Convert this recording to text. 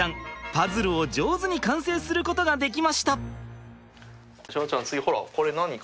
パズルを上手に完成することができました！